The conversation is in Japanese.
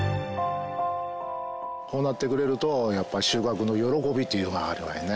こうなってくれるとやっぱ収穫の喜びというのがありますね。